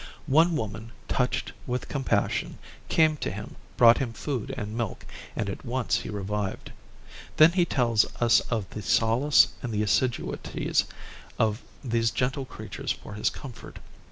One woman, touched with compassion, came to him, brought him food and milk, and at once he revived. Then he tells us of the solace and the assiduities of these gentle creatures for his comfort.